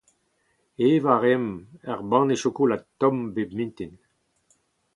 Evañ a raemp ur banne chokolad tomm bep mintin.